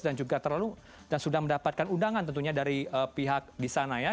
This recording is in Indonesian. dan juga terlalu dan sudah mendapatkan undangan tentunya dari pihak di sana